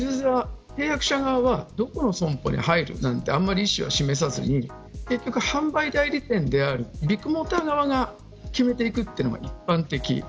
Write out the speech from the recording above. だから契約者側はどこの損保に入るなんてあんまり意思は示さずに結局、販売代理店であるビッグモーター側が決めていくのが一般的。